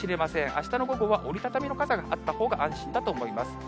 あしたの午後は折り畳みの傘があったほうが安心だと思います。